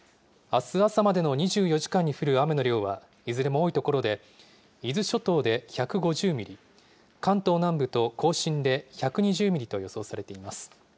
あす朝までの２４時間に降る雨の量はいずれも多い所で、伊豆諸島で１５０ミリ、関東南部と甲信で１２０ミリと予想されています。